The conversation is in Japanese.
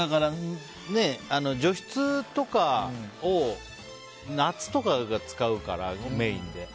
除湿とかを夏とかに使うから、メインで。